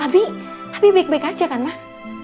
abi abi baik baik aja kan mak